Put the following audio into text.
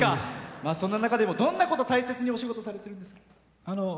そんな中でもどんなこと大切にお仕事されてるんですか。